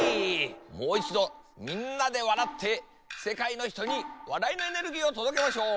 もういちどみんなで笑ってせかいのひとに笑いのエネルギーをとどけましょう！